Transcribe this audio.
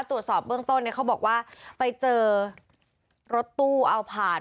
ตรวจสอบเบื้องต้นเนี่ยเขาบอกว่าไปเจอรถตู้เอาผ่าน